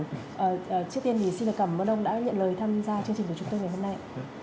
trước tiên xin cảm ơn ông đã nhận lời tham gia chương trình của chúng tôi ngày hôm nay